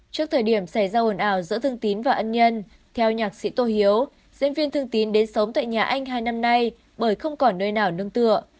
trước thời điểm xảy ra ồn ào giữa thương tín và ân nhân theo nhạc sĩ tô hiếu diễn viên thương tín đến sống tại nhà anh hai năm nay bởi không còn nơi nào nương tựa